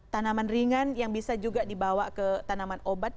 tanaman ringan yang bisa juga dibawa ke tanaman obat